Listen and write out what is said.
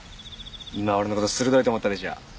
今俺の事鋭いと思ったでしょ？